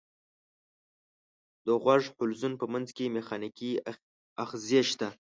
د غوږ حلزون په منځ کې مېخانیکي آخذې شته.